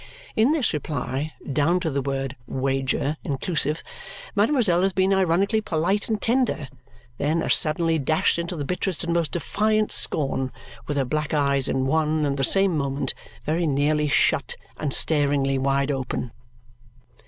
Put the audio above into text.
In this reply, down to the word "wager" inclusive, mademoiselle has been ironically polite and tender, then as suddenly dashed into the bitterest and most defiant scorn, with her black eyes in one and the same moment very nearly shut and staringly wide open.